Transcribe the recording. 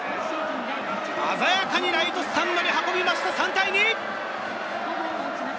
鮮やかにライトスタンドに運びました、３対２！